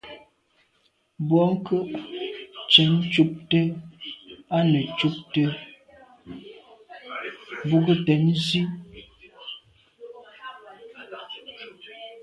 Bwɔ́ŋkə́’ cɛ̌d cúptə́ â nə̀ cúptə́ bú gə́ tɛ̌n zí.